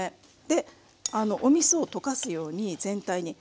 でおみそを溶かすように全体に。